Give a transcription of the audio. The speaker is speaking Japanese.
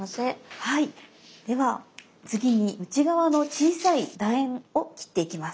では次に内側の小さいだ円を切っていきます。